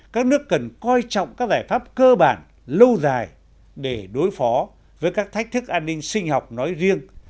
các nước cần coi trọng các giải pháp cơ bản lâu dài để đối phó với các thách thức an ninh sinh học nói riêng